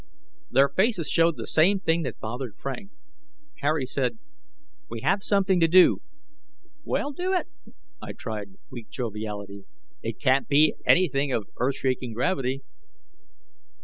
Their faces showed the same thing that bothered Frank. Harry said, "We have something to do." "Well, do it!" I tried weak joviality: "It can't be anything of earth shaking gravity."